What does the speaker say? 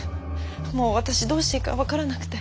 もう私どうしていいか分からなくて。